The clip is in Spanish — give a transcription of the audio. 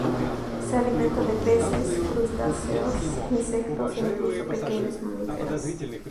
Se alimenta de peces, crustáceos, insectos e incluso pequeños mamíferos.